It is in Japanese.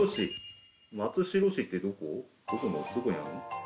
どこにあるの？